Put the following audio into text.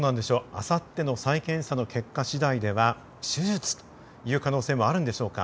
あさっての再検査の結果次第では手術という可能性もあるんでしょうか。